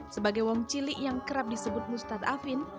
sebagai wong cilik yang kerap disebut mustad afin